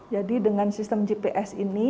jadi dengan sistem gps ini